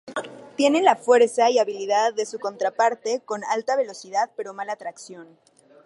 Tiene la fuerza y habilidad de su contraparte, con alta velocidad, pero mala tracción.